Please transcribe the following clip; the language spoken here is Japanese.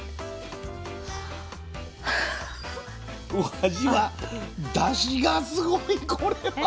味はだしがすごいこれは。